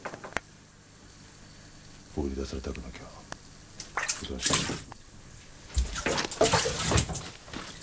放り出されたくなきゃおとなしくしてろ。